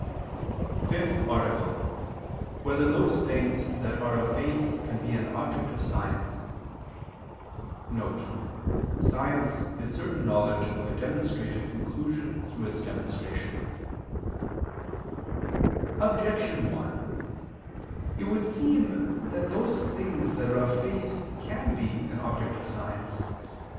_______________________ FIFTH ARTICLE [II II, Q. 1, Art. 5] Whether Those Things That Are of Faith Can Be an Object of Science [*Science is certain knowledge of a demonstrated conclusion through its demonstration]? Objection 1: It would seem that those things that are of faith can be an object of science.